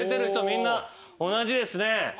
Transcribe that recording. みんな同じですね。